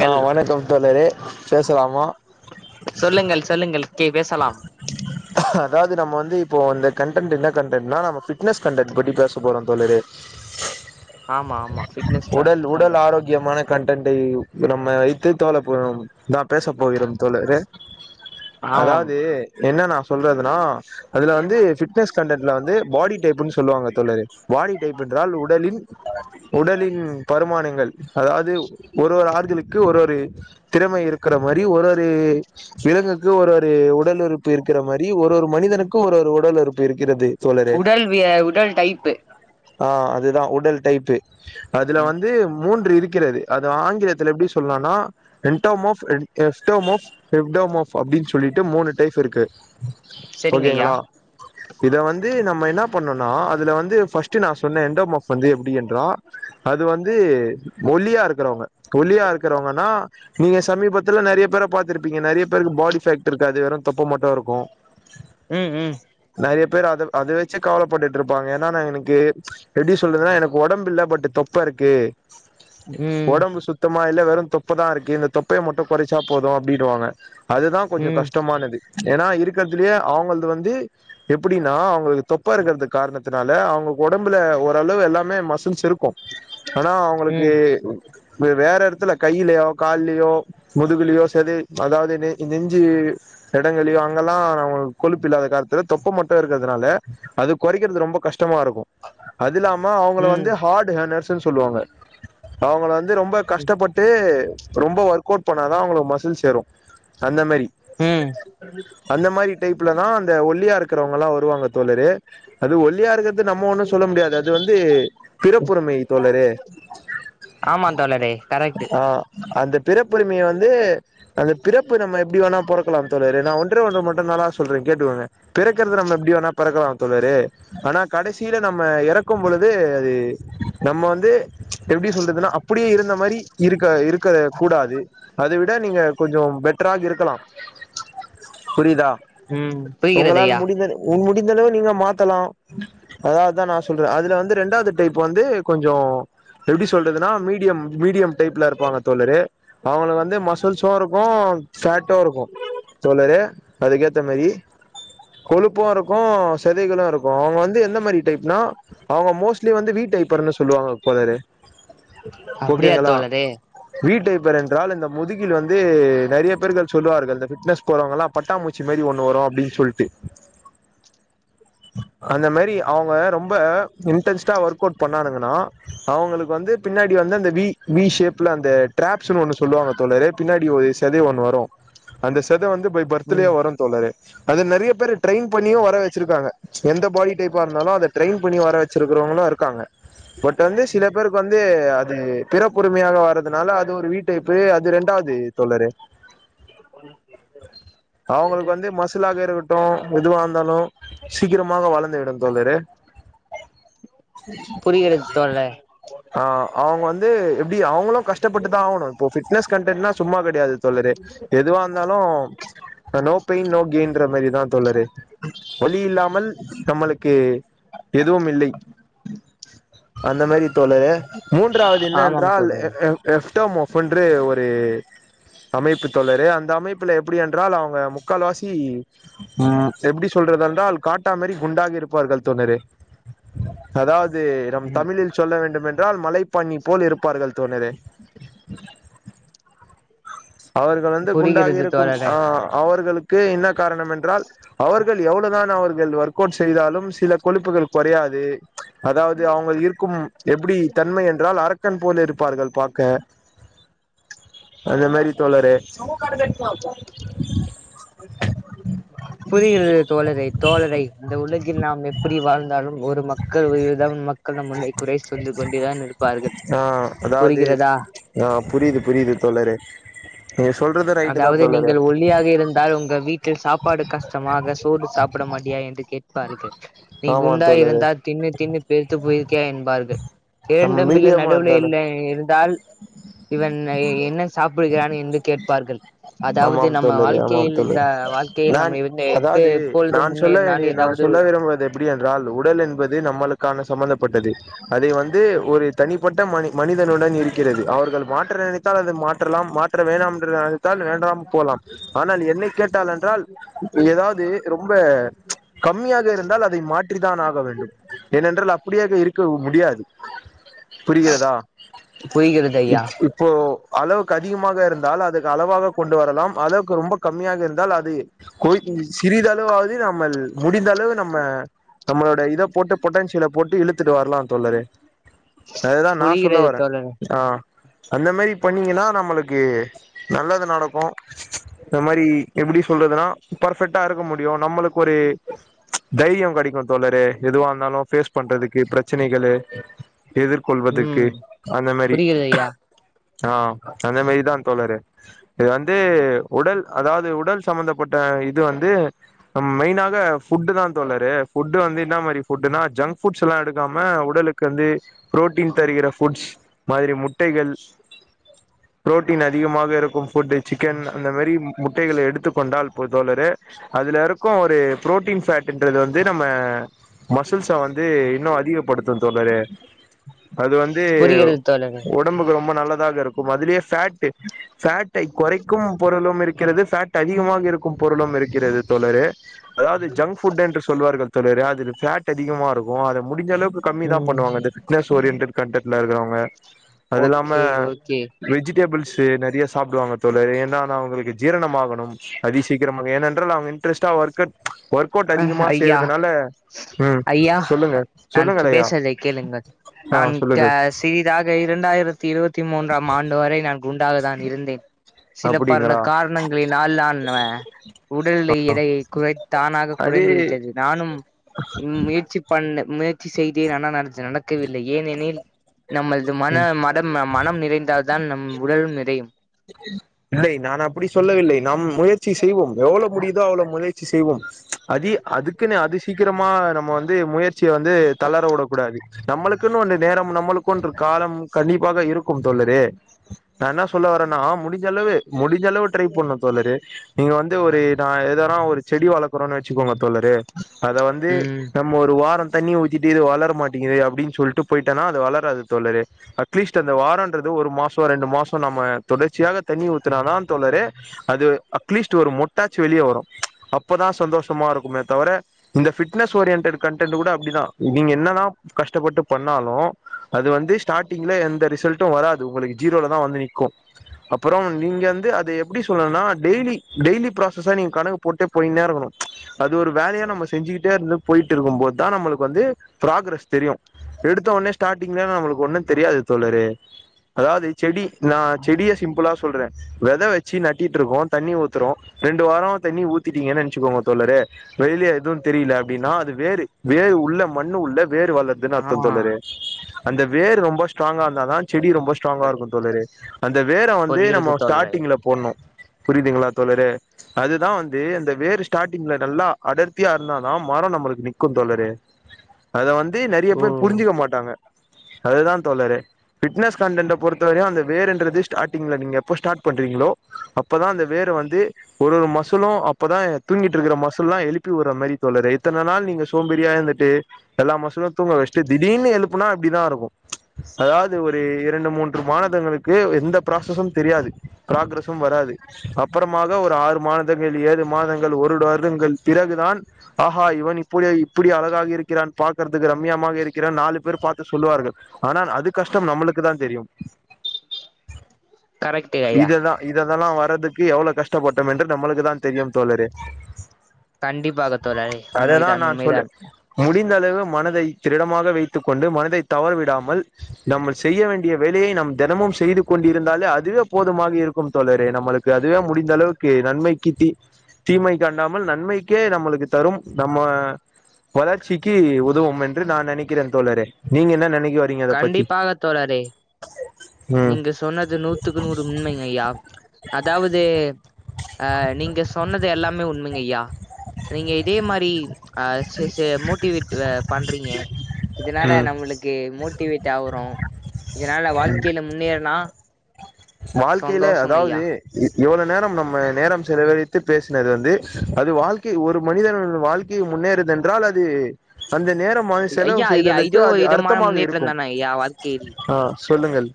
ஹா வணக்கம் தோழரே பேசலாமா சொல்லுங்கள் சொல்லுங்கள் கே பேசலாம் அதவாது நம்ம வந்து இப்போ அந்த கண்டன்ட் என்ன கண் எட்டு நான் ஃபிட்னஸ் கன்டேட்பண்ணிபேன் போசபோறம் தோலரே ஆமா-ஆமா பிட்னஸ் [unintelligible] கண்டெண்ட் ஹேயு நம்ம [unintelligible] நா பேச போகிறன் தோலரே ஆமாம் அதாவது என்னன்னா சொல்றதுனா அதல வந்து பிட்னெஸ் கன்டென்ட்ல வந்து பாடி டைப்புனு சொல்லுவாங்க. பாடி டிப்னா என்றால் உட உடலின் பருமானங்கள் அதாவது ஒரு ஆ ஒரு-ஒரு திறமை இருக்கிற மாதிரி ஒரு-ஒரு விலங்குக்கு ஒரு-ஒரு உடல் உறுப்பு இருக்கிற மாதிரி ஒரு-ஒரு மனிதனுக்கும் ஒரு-ஒரு உடல் உறுப்பு இருக்கிறது தோழரே உடல்- விய உடல் டைப்பு ஹா அதுதான் உடல் டைப்பு அதுல ம் வந்து மூன்று இருக் விக்கிறது அது ஆங்கிலத் தல எப்டி சொல்லானா எண்டோமோஃப் எஸ்டோமோஃப் எஃப்டோமோஃப் அப்டின் சொல்லிட்டு மூணு டைப் இருக்கு செரிங்கஐயா ஓகேங்களா இத வந்து நம்ம என்ன பண்ணோனா அதுல வந்து ஃபர்ஸ்ட் நா சொன்னே என்டோமோஃப் வந்து எப்டி என்றா அது வந்து ஒல்லியா இருக்கிறவங்க ஒல்லியா இருக்கிறவங்கன்னா நீங்க சமீபத்துல நறைய பேரை பா்த்திருப்பீங்க நறைய பேருக்கு பாடி ஃபேக்ட் இருக்காது வெறும் தொப்ப மட்டும் இருக்கும் உம்-உம் நறைய பேர் அது அதை வச்சே கவலைப்பட்டுட்டு இருப்பாங்க ஏன்னா நா எனக்கு எப்படி சொல்றதுன்னா எனக்கு உடம்பு இல்லை பட் தொப்ப இருக்கு உம் ம்மா இல்ல வெறும் தொப்பதான் இருக்கு இந்த தொப்பையை மட்டும் குறைச்சா போதும் அப்டின்ட்டுவாங்க அதுதான் கொஞ்ச ம் கஷ்டமானது ஏன்னா இருக்கு இருக்கிறதுல அவுங்களது வந்து எப்டின்னா அவங்களுக்கு தொப்பா இருக்கிறது காரணத்தினால அவுங்க உடம்புல ஓரளவு எல்லாமே மசில்ஸ் இருக்கும் ஆனா அவங்களுக்கு ம் வேற இடத்துல கைய்லுயோ கால்லியோ முதுகுலியோ செது அதாவது ந நெஞ்சு இடங்களையோ அங்கெல்லாம் நம கொழுப்பு இல்லாத காலத்துல தொப்ப மட்டும் இருக்கிறதுனால அது குறைக்கிறது ரொம்ப கஷ்டம் த்தமா இருக்கும் அது இல்லாம அவங்கள ம் வந்து ஹார்டு ஹர்ஸ்ன்னு சொல்லுவாங்க அவங்க வந் ரொம்ப கஷ்டப்பட்டு ரொம்ப ஒர்க் அவுட் போன தான் அவங்களுக்கு மசுல்ஸ் சேரும் அந்த மெரி ம் அந்த மாரி டைப்லதான் அந்த ஒல்லியா இருக்கிறவங்கல்லாம் வருவாங்க தோலரே அது ஒல்லியாரகத்து து நம்ம ஒண்ணும் சொல்ல முடியாது அது வந்து பிறப்புறுமை தோலரே ஆமா தோழரே கரெக்ட்டு ஆஹ் அந்த பிறப்புரிமைய வந்து [unintelligible] அந்த பிறப்பு நம்ம எப்டி வேணா பொறக்கலாம் தோலரே நா ஒன்றே ஒன்று மட்டுதானா சொல்றேன் கேட்டுக்கோங்க பிறக்கறது நம்ம எப்டி வேணா பிறக்கலாம் தோழரே ஆனா கடைசியில் நம்ம எறக்கும் பொழுது அது நம்ம வந்து தூ எப்டி சொல்றதுன்னா அப் டிய இருந்த மாரி இருக்க- இருக்க கூடாது அதை விட நீங்க கொஞ்சம் பெட் ராக இருக்கலாம் புரிதா ம் புரிகிறது உங்களால ஐயா முடிஞ்த உன் இந்தளவு நீங்க மாத்தலாம் அதாவதுதான் நான் சொல்றேன் அதுல வந்து ரெண்டாவது டைப் வந்து கொஞ்சோ எப்படி சொல்றதுனா மீட் மீடியம் டைப்ல இருப்பாங்க தோலரே அவங்க வந்து மசுல்ஸ்சும் இருக்கும் பேட் [unintelligible] இருக்கும் தோழரே அதுக்கேத்த மெரி கொழுப்பு இருக்கு சதைகளும் இருக்கும் அவங்க வந்து எந்த மாரி டைப்னா அவங்க மோஸ்ட்லி வந்து வீ டைப்பர்ன்னு சொல்லுவாங்க தோழரே அப்டியா தோலரே வீட்டைப்பர் என்றால் இந்த முதுகில் வந்து நறைய பேர்கள் சொல்லுவார்கள் இந்த ஃபிட்னஸ் போறவங்கல்லாம் பட்டாமூச்சி மாரி ஒண்ண வரும் அப்படின்னு சொல்லிட்டு அந்த மாதிரி அவங்க ரொம்ப இன்ட்ரெஸ்டா ஒர்க் அவுட் பண்ணானுங்கன்னா அவங்களுக்கு வந்து பின்னாடி வந்து அந்த வி வி ஷேப்ல அந்த ட்ராப்ஸ்னு ஒண்ணு சொல்லுவாங்க தோழரே பின்னாடி [unintelligible] [unintelligible] ஒன்னு வரும் அந்த [unintelligible] லா வந்து பெய் ம் பர்தலே வரும் தோலரே அது நிறைய பேரு ட்ரெயின் பண்ணியும் வர வச்சிருக்காங்க எந்த பாடி டைப்பா இருந்தாலும் அத ட்ரெயின் பண்ணி வர வச்சிருக்கிறவங்களும் இருக்காங்க பட் வந்து சில பேருக்கு வந்து து அது பிறப்புரிமையாக வரதுனால அது ஒரு வீட்டைப்பு அது இரண்டாவது தழர் அவங்களுக்கு வந்து மசலாக இருக்கட்டும் எதுவாக இருந்தாலும் சீக்கிரமாக வளர்ந்து தேடல் புரிகிறது தோழரே அ அவங்க வந்து தீ அவங்களு கஷ்டட்டுதான் ஆவணும் பிட்னெஸ் கண்டெட்னா சும்மா கடையாது தோழரே எதுவா இருந்தாலும் நோ பைன் நோ கெய்ன்ற மாரிதான் தோழரே ஒலி இல்லாமல் நம்மளுக்கு எதுவும் இல்லை அந்த மாதிரி தோழற மூன்றாவது என்ன ஆமாம் என்னன்றால் தோழரே எஃப் எஃப் ப் என்று ஒரு அமைப்பு தொரு அந்த அமைப்புல எப்படி என்றால் அவங்க முக்கால் வாாசி உ எப்படி சொல்றதுன்றால் காட்டா மாதிரி குண்டாகி இருப்பார்கள் தொணரு அதாது நம் ம் தமிழில் சொல்ல வேண்டும் என் மலைப்பண்ணி போல் இருப்பார்கள் தோழரே அவர்கள் வந்து குண்டாகி புரிகிறது இருக்கும் தோழரே அஹ அவர்களுக் க்கு என்ன காரணம் என்றால் அவர்கள் எவ்வளவுதான் அவர் என்று ஒர்க் அவுட் செய்தாலும் சில கொழுப்புகள் கொறையாது அதாவது அவங்கள் இருக்கும் எப்படி என்றால் அரக்கன் போல் இருப்பார்கள் பார்க்க அந்த மாரி தோழரே புரிகிறது தோழரை தோழரை இந்த உலகில் நாம் எப்படி வாழ்ந்தாலும் ஒரு மக்கள் ஒருதவ மக்கள் நம் முன்னை குறை சொல்லி ஆஹ் அதாவது புரிகிறதா ஆஹ் புரியுது புரியுது தோழரே நீங்க சொல்றது ரைட்டு தான் அதாவது தோழரே நீங்கள் ஒல்லியாக இருந்தால் உங்க வீட்டில் சாப்பாடு கஷ்டமாக சோடு சாப்பிட மாட்டடியா என்று கேட்பார்கள் நீங்க ஆமா குண்டாக தோழரே இருந்தால் தின்னு தின்னுனு பெருத்து போயிருக்கியா என்பார்கள் நம்ம இரண்டும் இல்ல மீடியமா நடுவுல இருந்தாலே இல்ல இருந்தால் இவன் என்ன சாப்பிடுகிறான் என்று கே ஆமாம் சொல்லுற ஆமாம் சொல்லு இந்த வாழ்க்கையில் நான் நம்ம இருந்த எப்ப அதாவது எப்பொழுது நான் சொல்ல வேண்டிய முன்னேறினாலும் நான் ஏதாவது சொல்ல விரும்புவது எப்படி என்றால் உடல் என்பது நம்மளுக்கு காண சம்மந்தப்பட்டது அதை வந் இது ஒரு தனிப் பட்ட மனிதனுடன் இருக்கிறது அவர்கள் மாற்ற நினைத்தால் அது மாற்றலாம் மாற்ற வேண்டாம் என்ற அத்து ஃபேன் வேண்டாமல் போலாம் ஆனால் என்னை கேட்டால் என்றால் ஏதாவது இது ரொம்ப ச் கம்மியாக இருந்தால் அதை மாற்றிதான் ஆக வேண்டும் ஏனென்றால் அப்ப முடியாது இரு [unintelligible] முடியாது புரிகிறதா புரிகிறது ஐயா இப் இப்போ அளவுக்கு அதிகமாக இருந்தால் அது சம் அளவாவே கொண்டு வரலாம் அளவுக்கு ரொம்ப கம்மியாக இருந்தால் அது கொன் சிறிதளவாவது நம்மல் முடிந்த அளவு நம்ம நம்மளோட இத போட்டு பொட்டான்சியலை போட்டு இழுத்துட்டு வரலாம் தோழரே அதுதா நா சொல்ல புரிகிறது வரேன் தோழரே ஆஹ் அந்த மாரி பண்ணீங்கன்னா நம்மளுக்கு நல்லது நடக்கும் இந்த மாரி எப்டி சொல்றதுன்னா பர்ஃபெக்ட்டா இருக்க முடியும் நம்மளுக்கு ஒரு தைரியம் கடைக்கும் தோழரே எதுவா இருந்தாலும் பேஃஸ் பண்றதுக்கு பிரச்சனைகளு [inaudible] எதிர்கொள்வதுக்கு ம் அந்த மாரி புரிகிறது ஐயா ஆஹ் அந்த மரிதான் தோழரே இது வந்து உடல் அதாவது உடல் சம்பந்தப்பட்ட இது வந்து மெய்னான ஃபுட்டு தான் தோழரே ஃபுட்டு வந்து என்ன மாரி ஃபுட்டுனா ஜங்க் ஃபுட்ஸ்லா எடுக்காம உடலுக் க்கு வந்து புரோட்டீன் தருகிற ஃபுட்ஸ் மாதிரி முட்டைகள் புரோடின் அதிகமாக இருக்கும் ஃபுட்டு் சிக்கன் அந்த மாரி முட் ட்டைகள் எடுத்துக் கொண்டால் போது தோழரே அதுல இருக்கும் ஒரு புரோட்டீன் ஃபேட் ன்றது வந்து நம்ம மசில்ஸ வந்து இன்னு அதிகப்படுத்த தோழரே அது வந்து புரிகிறது தோழரே உடம்புக்கு ரொம்ப நல்ல அதாக இருக்கும் அதுலேயே ஃபேட் ஃபேட் டை கொறைக்கும் பொருளும் இருக் இருக்கிறது ஃபேட் அதிகமாக இருக்கும் பொருளும் இருக்கிறது தோழரே அதாவது ஜங்க் ஃபுட் என்று சொல்வார்கள் தோழரே அதுல ஃபேட் அதிகமா இருக்கு அத முடிஞ்சளவுக் கம்மி தான் ம் பண்ணுவாங்க அந்த ஃபிட்னஸ் ஓரியன்டட் கண்ட்டல இருக்குறவங்க அது இல்லாம ஓகே ஓகே வெஜிடபிள்ஸ்சு நெறைய ச சாப்டுவாங்க தோழரே ஏன்னா அது அவங்களுக்கு ஜீரணமாகணும் அதி சீக்கிரமாக ஏனென்றால் அவங்க இன்ட்ரெஸ்ட்டா ஒர்க்க ஒர்க் அவுட் அதிகமா ஐயா செய்யறதுனால ம் சொல்லுங்க சொல் பேசறதை கேளுங்கள் நான் த சிறிதாக இரண்டாயிரத்தி இருபத்தி மூன்றாம் ஆண்டு வரை நான் குண்டாக தான் இருந்தேன் சில பர்ல அப்டிங்களா காரணங்களினால் நான் உடல் எடையை குறைத் தானாக அது குறைந்து விட்டது நானும் ம் முயற்சி பண்ண முயற்சி செய்தேன் ஆனா நெனச்சது நடக்கவில்லை ஏனெனில் நம்மள்து மன மதம் மனம் நிறை ந்தால்தான் நம் உடலும் நிறையும் இல்லை நான் அப்படி சொல்லவில்லை நாம் முயற்சி செய்வோம் எவ்ளோ முடியுதோ அவ்ளோ முயை சி செய்வோம் அதி அதுக்குன்னு அது சீக்கிரமா நம் நம்ம வந்து முயற்சிய வந்து தளர உடக்கூடாது நம்மளுக்குன்னு ஒன்னு நேரம் நம்ளுக்கு ஒன்று காலம் கண்டிப்பாக இருக்கும் தோழரே நான் என்ன சொல்ல வரேன்னா முடி முடிஞ்ச அளவு முடிஞ்ச அளவு ட்ரை பண்ணும் தோழரே நீங்க வந்து ஒரு நான் எதனா ஒ செடி வளர்க்கறோம்ன்னு வச்சுக்கோங்க தோழரே அத வந்து ம் நம்ம ஒரு வாரம் தண்ணிய ஊத்திட்டு இதுவளர மாட்டிகிது அப்டின் சொல்ட்டு போய்ட்டனா அது வளராது தோழரே அட்லீஸ்ட் அந்த வாரம்றது ஒரு மாசம் ரெண்டு மாசம் நம்ம தொடர்ச்சியாக தண்ணி ஊத்தனாதான் தோழரே அது அட்லீஸ்ட் ஒரு மொட்டாச்சு வெளிய வரும் அப்பதான் சந்தோஷமா இருக்குமே தவர இந்த ஃபிட்னஸ் ஓரியண்டெட் கண்டெண்ட் கூட அப்டிதான் நீங்க என்னதான் கஷ்டப்பட்டு பண்ணாலும் அது வந்து ஸ்டார்ட்டிங்ல எந்த ரிசல்டும் வராது உங்கக்கு ஜீரோலா தான் வந்து நிக்கும் ப்பறம் நீங்க வந்து அத எப்டி சொல்லணுனா டெய்லி டெய்லி ப்ராஸஸாக நீங்கள் கணக்கு போட்டே போயின்னே இருக்கணும் அது ஒரு வேலையா நம்ம செஞ்சிகிட்டே இருந்து போயிட்ருக்கும் போது தான் நம்மளுக்கு வந்து ப்ராகரஸ் தெரியும் எடுத்தொனே ஸ்டார்ட்டிங்ல நம்மளுக்கு ஒன்ம் தெரியாது தோழரே அதாவது செடி நான் செடிய சிம்பிளா சொல்றேன் வெதை வச்சி நட்டிட்ருக்கோம் தண்ணி ஊத்துரோம் ரெண்டு வாரம் தண்ணி ஊத்திட்டீங்ன் நனச்க்கோங்க தோழரே வெளிலியே எதும் தெரியல அப்டின்னா அது வேறு வேறு உள்ள மண்ணு உள்ள வேறு வழர்துன்னு ஆ அர்த்தம் தோழரே அந்த வேர் ரொம்ப ஸ்ட்ராங்கா இருந்தாதா செடி ரொம்ப ஸ்ட்ராங்கா இருக்கும் தோழரே அந்த வேர வந்து இதே புரிகிறது நம்ம தோழரே ஸ்டார்டிங்ல போட்னும் புரிதுங்ளா தோழரே அதுதா வந்து இந்த வேரு ஸ்டார்ட்டிங்ல நல்லா அடர்த்தியா இருந்தாதா மரோ நம்மளுக்கு நிக்கும் தோழரே அத வந் தே நறைய ஓ பேர் புரிஞ்சுக்க மாட்டாங்க அதுதான் தோழறே பிட்னஸ் கண்டன்ட் பொறுத்தவரையும் அந்த வேற என்ற திஸ்ட் அட் திங்கள நீங்க எப்ப ஸ்டார்ட் பண்றீங்களோ அப்ப தான் அந்த வேற வந்து ஒரு ஒரு மசூலும் அப்ப தான் தூங்கிகிட்டு இருக்க மசூல் லாம் எழுப்பி விடுற மாரி தோழரே இத்தன நாள் நீங்க சோம்பேறியா இருந்துட்டு எல்லா மசூலும் தூங்க வச்சிட்டு திடீர்னு எழுப்புனா அப்டி தான் இருக்கும் அதாவது ஒரு இரண்டு மூன்று மாதங்களுக்கு எந்த ப்ராசஸும் தெரியாது ப்ராக்ரஸும் வராது அப்புறமாக ஒரு ஆறு மாதங்கள் ஏழு மாதங்கள் ஒருட வருடங்கள் பிறகுதான் ஆஹா இவன் இப்படி இப்படியா அட [unintelligible] இருக்கிறான் பாக்கறதுக்கு ரம்யமாக இருக் க்கிற நாலு பேர் பாத்து சொல்லுவார்கள் ஆனால் அது கஷ்டம் நம்மளுக்கு தான் தெரியும் கரெக்ட் ஐயா இததா இததெல்லா வர்றதுக்கு எவ்ள கஷ்டப்பட்டோம் என்று நம்மளுக்கு தான் தெரியும் தோழரே கண்டிப்பாக தோழரே அததான் உண்மைதான் நான் சொல் உண்மைதான் முடிந்த அளவு மனதை திருடமாக வைத்துக் கொண்டு மனதைத் தவறவிடாமல் நம்ம செய்ய வேண்டிய வேலையை நம் தினமும் செய்து கொண்டிருந்தாலே அதுவே போதுமாக இருக்கும் தோழரே நம்மளுக்கு அதுவே முடிந்த அளவுக்கு நன்மைக்கி தீ தீமைக் காண்டாமல் நன்மைக்கே நம்மளுக்கு தரும் நம்ம வளர்ச்சிக்கு உதவும் என்று நான் நெனைக்கிறேன் தோழரே நீங்க என்ன நெனைக் கண்டிப்பாக தோழரே ம் நீங்க ஸ் சொன்னது நூத்துக்கு நூறு உண்மைங்க ஐயா அதாவது ஆ நீங்க சொன்னது எல்லாமே உண்மைங்க ஐயா நீங்க இதே மாரி அஹ சே சே மோட்டிவேட் அ பண்றீங்க இதனால ம் நம்மளுக்கு மோட் மோட்டிவேட் ஆவுறோம் இதனால வாழ்க்கையில முன்னேறுனா வாழ்கையிலே அதாவது ஐயா இவள நேரம் நம்ம நேரம் செலவழித்து பேசினது வந்து அது வாழ்க்கை ஒரு மனிதருடன் வாழ்க்கையை முன்னேறுது என்றால் அது அந்த நேரமாய் செலவு ஐயா ஐயா செய்ததுக்கு இதோ ஒரு அது விதமான அர்த்தமாக முன்னேற்றம் இருக்கும் தான ஐயா வாழ்க்கையில் ஆ சொல்லுங்கள்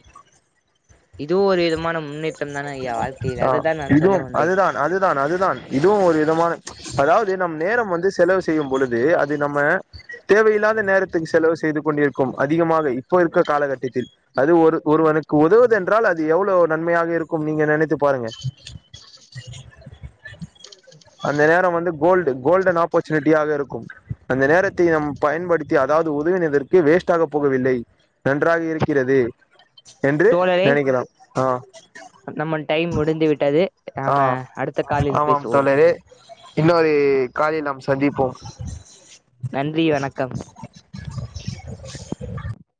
இதுவு ஒரு விதமான முன்னேற்றம் தான ஐயா வாழ்க்கையில் ஆஹ் அததா நான் சொல்ல இதுவும் வந்தேன் அதுதான் அதுதான் அதுதான் இதுவும் ஒரு விதமான அதாவது நம் நேரம் வந்து செலவு செய்யும் பொழுது அது நம்ம தேவையில்லாத நேரத்துக்கு செலவு செய்து கொண்டிருக்கோம் அதிகமாக இப்போ இருக்க காலக்கட்டத்தில் அது ஒரு ஒருவனுக்கு உதவுயென்றால் அது எவ்ளோ நன்மையாக இருக்கும் நீங்க நினைத்து பாருங்க அந்த நேரம் வந்து கோல்டு கோல்டன் ஆப்பர்ச்சுனிட்டியாக இருக்கும் அந்த நேரத்தை நாம் பயன்படுத்தி அதாவது உதவினதற்கு வேஸ்ட்டாக போகவில்லை நன்றாக இருக்கிறது என்று தோழரே நினைக்கலாம் ஆ நம்மல் டைம் முடிந்து விட்டது நாம ஆஹ் அடுத்த காலில் ஆமாம் பேசுவோம் தோழரே இன்னொரு காலில் நாம் சந்திப்போம் நன்றி வணக்கம் [unintelligible]